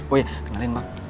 oh iya kenalin bang